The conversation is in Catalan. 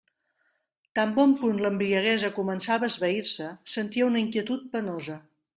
Tan bon punt l'embriaguesa començava a esvair-se, sentia una inquietud penosa.